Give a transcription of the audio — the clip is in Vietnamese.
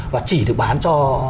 và chỉ được bán cho